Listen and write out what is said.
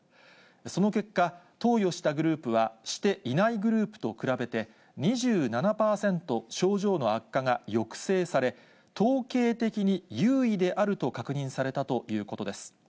その結果、投与したグループは、していないグループと比べて、２７％症状の悪化が抑制され、統計的に有意であると確認されたということです。